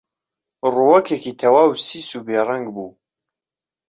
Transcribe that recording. ڕووەکێکی تەواو سیس و بێڕەنگ بوو